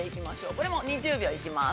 これも２０秒行きます。